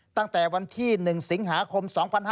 ตั้งแต่วันที่๑สิงหาคม๒๕๕๙